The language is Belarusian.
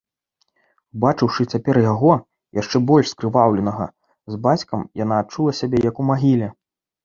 Убачыўшы цяпер яго, яшчэ больш скрываўленага, з бацькам, яна адчула сябе як у магіле.